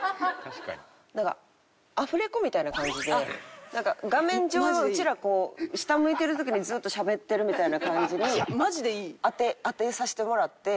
なんかアフレコみたいな感じで画面上うちらこう下向いてる時にずっとしゃべってるみたいな感じに当てさせてもらって。